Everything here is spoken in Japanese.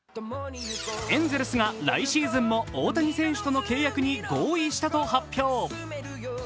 エンゼルスが来シーズンも大谷選手との契約に合意したと発表。